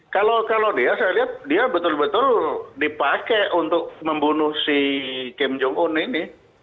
kalau dia saya lihat dia betul betul dipakai untuk membunuh si kim jong un ini